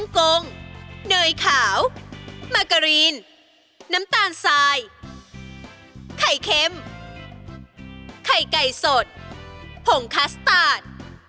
กงเนยขาวมาการีนน้ำตาลทรายไข่เค็มไข่ไก่สดผงคัสตาร์ท